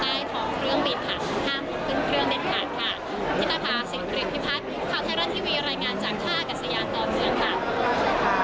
ข่าวไทยรัติวีรายงานจากท่ากัสสยานตลอดบินค่ะ